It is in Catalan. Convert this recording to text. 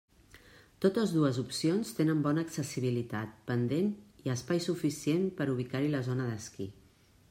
Totes dues opcions tenen bona accessibilitat, pendent i espai suficient per ubicar-hi la zona d'esquí.